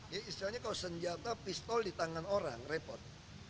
jadi istilahnya kalau senjata pistol di tangan orang repot